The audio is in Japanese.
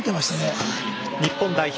日本代表